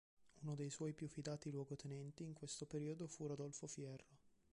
Uno dei suoi più fidati luogotenenti in questo periodo fu Rodolfo Fierro.